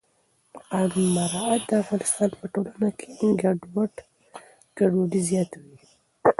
د قانون نه مراعت د افغانستان په ټولنه کې ګډوډي زیږوي